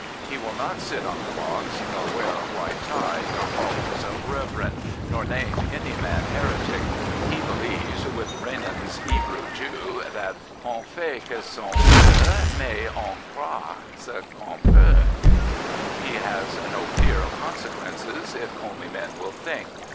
He will not sit on the box, nor wear a white tie, nor call himself Reverend," nor name any man heretic. He believes, with Renan's Ebrew Jew, that On fait ce qu*on veut, mais on croit ce qu'on pent. He has no fear of consequences if only rpen will think.